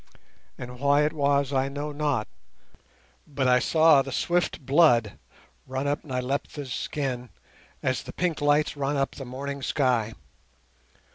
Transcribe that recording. And why it was I know not, but I saw the swift blood run up Nyleptha's skin as the pink lights run up the morning sky.